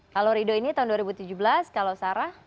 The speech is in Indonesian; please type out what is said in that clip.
kalau rido ini tahun dua ribu tujuh belas kalau sarah